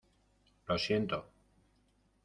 lo siento.